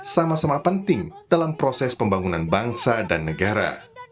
sama sama penting dalam proses pembangunan bangsa dan negara